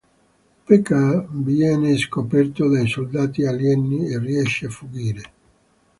Pk viene scoperto dai soldati alieni e riesce a fuggire.